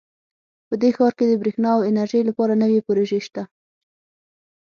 په دې ښار کې د بریښنا او انرژۍ لپاره نوي پروژې شته